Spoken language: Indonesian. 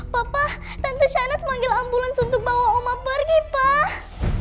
papa tante shanes manggil ambulans untuk bawa oma pergi pak